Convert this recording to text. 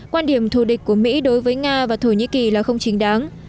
quan điểm thù địch của mỹ đối với nga và thổ nhĩ kỳ là không chính đáng